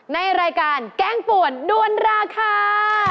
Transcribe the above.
ในรายการแกงป่วนด้วนราคา